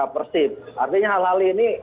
persib artinya hal hal ini